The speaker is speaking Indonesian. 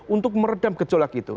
untuk meredam gejolak itu